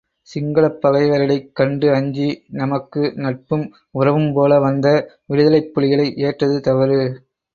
சிங்களப் பகைவர்களைக் கண்டு அஞ்சி, நமக்கு நட்பும் உறவும் போல வந்த விடுதலைப் புலிகளை ஏற்றது தவறு.